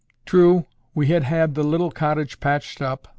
True, we had had the little cottage patched up.